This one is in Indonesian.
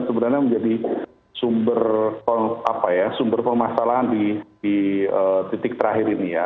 sebenarnya menjadi sumber permasalahan di titik terakhir ini ya